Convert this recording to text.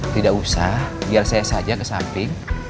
tidak usah biar saya saja ke samping